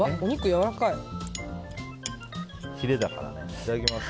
いただきます。